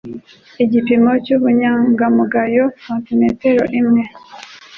Igipimo cy'ubunyangamugayo santimetero imwe